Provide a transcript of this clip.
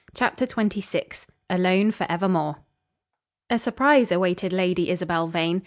CHAPTER XXVI. ALONE FOR EVERMORE. A surprise awaited Lady Isabel Vane.